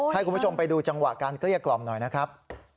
ให้คุณผู้ชมไปดูจังหวะการเกลี้ยกล่อมหน่อยนะครับ